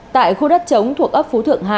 tại khu đất chống thuộc ấp phú thượng hai